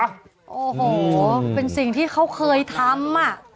โอ้โหเป็นสิ่งที่เขาเคยทำ